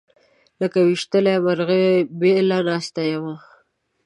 لکه ويشتلې مرغۍ بېله ناسته یمه